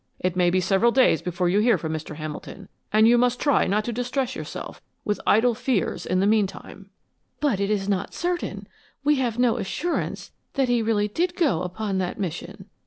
It may be several days before you hear from Mr. Hamilton and you must try not to distress yourself with idle fears in the meantime." "But it is not certain we have no assurance that he really did go upon that mission."